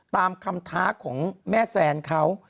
ตามคำท้าของแม่แซนเขา